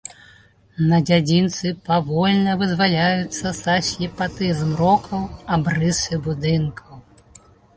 На дзядзінцы павольна вызваляюцца са слепаты змрокаў абрысы будынкаў.